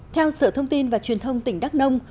theo sở thông tin và truyền thông tỉnh đắk nông